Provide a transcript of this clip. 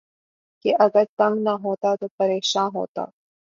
کہ اگر تنگ نہ ہوتا تو پریشاں ہوتا